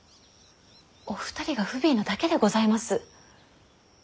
お二人が不憫なだけでございます。